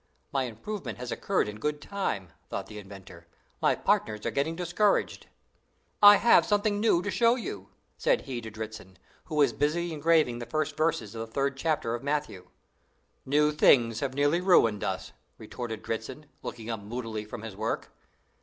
"My improvement has occurred in good time," thought the inventor; "my partners are getting discouraged." "I have something new to show you," said he to Dritzhn, who was busy engraving the first verses of the third chapter of Matthew. "New things have nearly ruined us!" retorted Dritzhn, looking up moodily from his work.